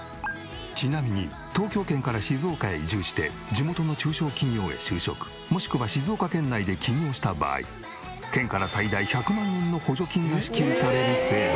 ちなみに東京圏から静岡へ移住して地元の中小企業へ就職もしくは静岡県内で起業した場合県から最大１００万円の補助金が支給される制度も。